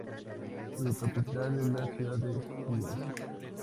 Su capital es la ciudad de Suez.